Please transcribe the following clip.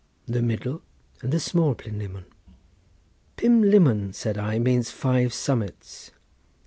The middle and the small Plynlimmon." "Pumlummon," said I, "means five summits.